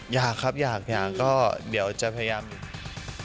อยากครับอยากอยากก็เดี๋ยวจะพยายาม